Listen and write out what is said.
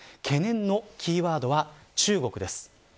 懸念のキーワードは中国です。